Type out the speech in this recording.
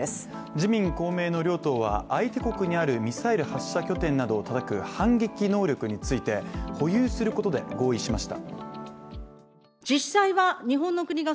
自民・公明の両党は相手国にあるミサイル発射拠点などをたたく反撃能力について、保有することで合意しました。